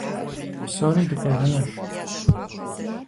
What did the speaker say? Псори дыкӀуэжынущ.